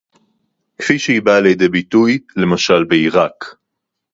כפי שהיא באה לידי ביטוי למשל בעירק